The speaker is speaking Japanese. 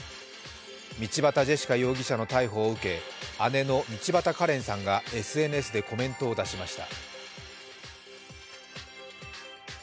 道端ジェシカ容疑者の逮捕を受け姉の道端カレンさんがＳＮＳでコメントを出しました。